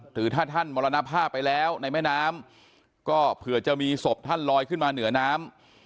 หรือถ้าท่านมรณภาพไปแล้วในแม่น้ำก็เผื่อจะมีศพท่านลอยขึ้นมาเหนือน้ำ